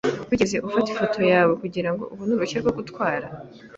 Wigeze ufata ifoto yawe kugirango ubone uruhushya rwo gutwara?